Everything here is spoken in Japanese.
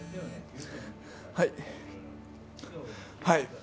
はい